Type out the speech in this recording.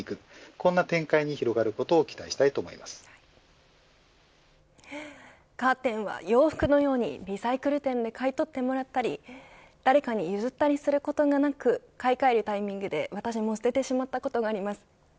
こんな展開に広がることをカーテンは洋服のようにリサイクル店で買い取ってもらったり誰かに譲ったりすることがなく買い換えるタイミングで私も捨ててしまったことがあります。